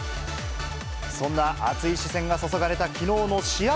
そんな熱い視線が注がれたきのうの試合